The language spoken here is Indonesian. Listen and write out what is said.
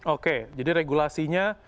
oke jadi regulasinya